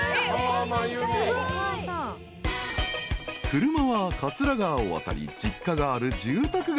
［車は桂川を渡り実家がある住宅街へ］